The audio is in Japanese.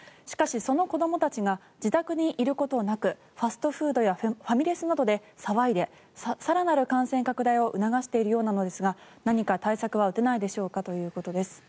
しかし、その子どもたちが自宅にいることなくファストフードやファミレスなどで騒いで更なる感染拡大を促しているようですが何か対策は打てないでしょうかということです。